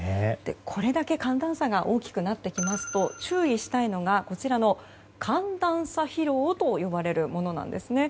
これだけ寒暖差が大きくなってきますと注意したいのが、寒暖差疲労と呼ばれるものなんですね。